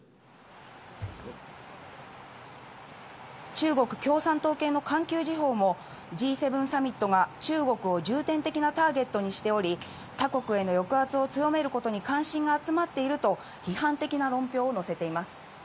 中国共産党系の環球時報も、Ｇ７サミットが中国を重点的なターゲットにしており、他国への抑圧を強めることに関心が集まっていると、批判的な論評を載せています。